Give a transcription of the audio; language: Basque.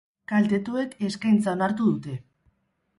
Kaltetuek eskaintza onartu dute.